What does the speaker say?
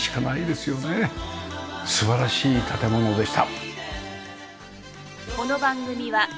素晴らしい建物でした。